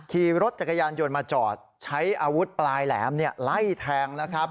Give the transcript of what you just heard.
ขี่รถจักรยานยนต์มาจอดใช้อาวุธปลายแหลมไล่แทงนะครับ